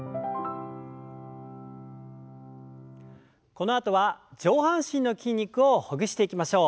このあとは上半身の筋肉をほぐしていきましょう。